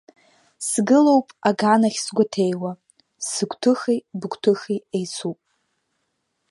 Сгылоуп аганахь сгәаҭеиуа, сыгәҭыхеи быгәҭыхеи еицуп.